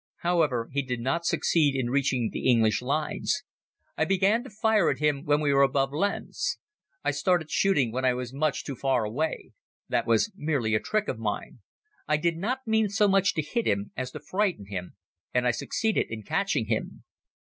However, he did not succeed in reaching the English lines. I began to fire at him when we were above Lens. I started shooting when I was much too far away. That was merely a trick of mine. I did not mean so much to hit him as to frighten him, and I succeeded in catching him.